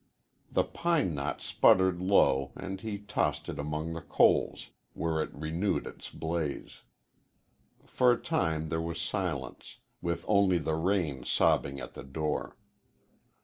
The pine knot sputtered low and he tossed it among the coals, where it renewed its blaze. For a time there was silence, with only the rain sobbing at the door.